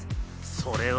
それは。